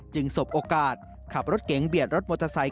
สบโอกาสขับรถเก๋งเบียดรถมอเตอร์ไซค